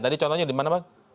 tadi contohnya di mana pak